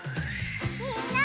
みんな！